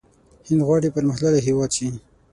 هند غواړي پرمختللی هیواد شي.